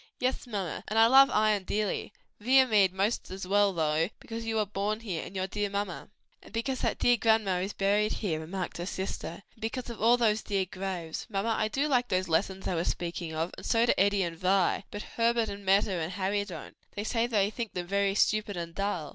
"Yes, mamma; and I love Ion dearly: Viamede 'most as well, though, because you were born here, and your dear mamma." "And because that dear grandma is buried here;" remarked her sister, "and because of all those dear graves. Mamma, I do like those lessons I was speaking of, and so do Eddie and Vi; but Herbert and Meta and Harry don't; they say they think them very stupid and dull."